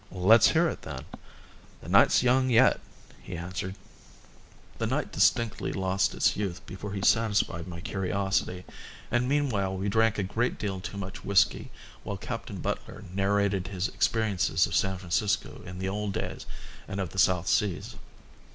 "Let's hear it then." "The night's young yet," he answered. The night distinctly lost its youth before he satisfied my curiosity, and meanwhile we drank a great deal too much whisky while Captain Butler narrated his experiences of San Francisco in the old days and of the South Seas.